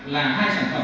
thế cho nên